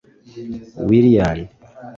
Willian